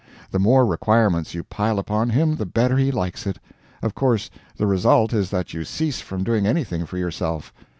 The more requirements you can pile upon him, the better he likes it. Of course the result is that you cease from doing anything for yourself.